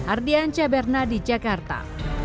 ardian caberna di jakarta